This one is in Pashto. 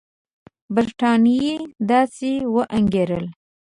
برټانیې داسې وانګېرله.